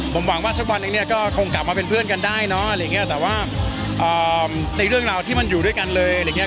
ผมหวังว่าสักวันอีกเนี่ยก็คงกลับมาเป็นเพื่อนกันได้เนาะแต่ว่าในเรื่องราวที่มันอยู่ด้วยกันเลย